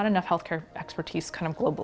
tidak cukup kepentingan kepentingan di dunia